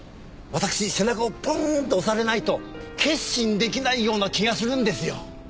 私背中をポンッと押されないと決心出来ないような気がするんですよ。